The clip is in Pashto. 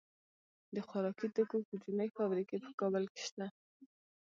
د خوراکي توکو کوچنۍ فابریکې په کابل کې شته.